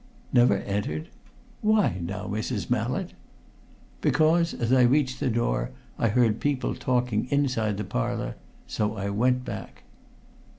"Never entered? Why, now, Mrs. Mallett?" "Because, as I reached the door, I heard people talking inside the Parlour. So I went back."